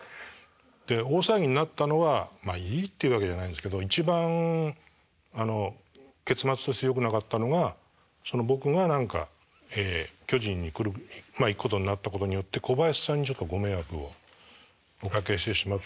で大騒ぎになったのはまあいいっていうわけじゃないんですけど一番結末としてよくなかったのが僕が何か巨人に行くことになったことによって小林さんにちょっとご迷惑をおかけしてしまったので。